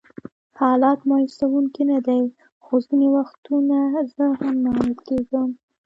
حالات مایوسونکي نه دي، خو ځینې وختونه زه هم ناامیده کېږم.